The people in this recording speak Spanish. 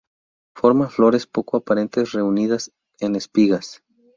Forma flores poco aparentes reunidas en espigas.